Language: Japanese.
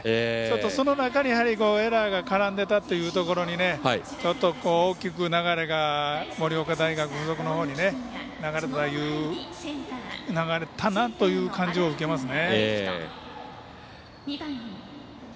その中にエラーが絡んでいたというところに大きく流れが盛岡大付属のほうに流れたなという感じを受けますね。